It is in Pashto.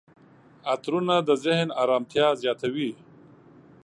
عطرونه د ذهن آرامتیا زیاتوي.